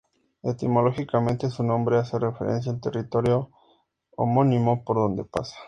Etimológicamente su nombre hace referencia al territorio homónimo por donde pasa.